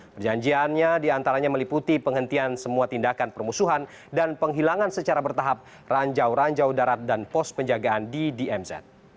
perjanjiannya diantaranya meliputi penghentian semua tindakan permusuhan dan penghilangan secara bertahap ranjau ranjau darat dan pos penjagaan di dmz